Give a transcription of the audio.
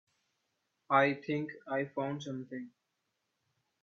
I think I found something.